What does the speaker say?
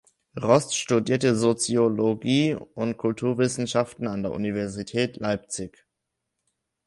Rost studierte Soziologie und Kulturwissenschaften an der Universität Leipzig.